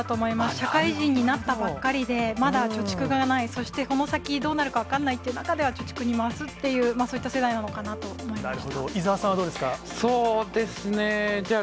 社会人になったばっかりで、まだ貯蓄がない、そして、この先どうなるか分からないという中では、貯蓄に回すっていう、そういった世代なのかなと思いました。